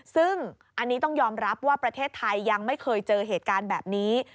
ซึ่งอันนี้ต้องยอมรับว่าประเทศไทยยังไม่เคยเจอเหตุการณ์แบบนี้